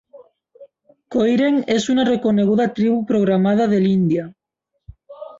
Koireng és una reconeguda tribu programada de l'Índia.